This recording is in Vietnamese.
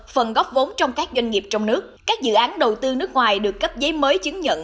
phần góp vốn trong các doanh nghiệp trong nước các dự án đầu tư nước ngoài được cấp giấy mới chứng nhận